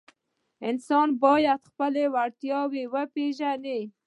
انسان باید خپله وړتیا وپیژني.